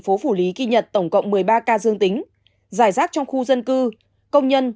phố phủ lý ghi nhận tổng cộng một mươi ba ca dương tính giải rác trong khu dân cư công nhân